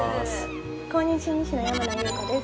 公認心理師の山名裕子です